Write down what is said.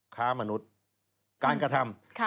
ค้ามนุษย์การกระทำ